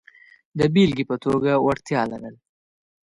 د بېلګې په توګه وړتیا لرل.